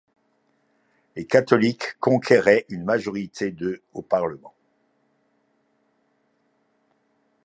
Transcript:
Les catholiques conquéraient une majorité de au Parlement.